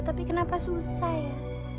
tapi kenapa susah ya